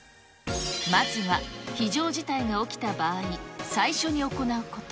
まずは非常事態が起きた場合、最初に行うこと。